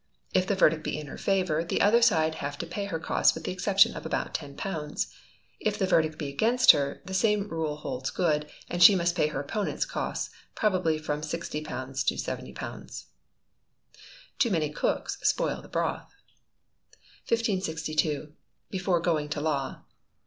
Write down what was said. If the verdict be in her favour, the other side have to pay her costs, with the exception of about £10. If the verdict be against her, the same rule holds good, and she must pay her opponent's costs probably from £60 to £70. [TOO MANY COOKS SPOIL THE BROTH.] 1562. Before Going to Law.